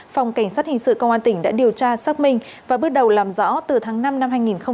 phòng cảnh sát hình sự công an tỉnh đã điều tra xác minh và bước đầu làm rõ từ tháng năm năm hai nghìn hai mươi ba